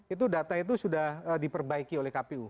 itu data itu sudah diperbaiki oleh kpu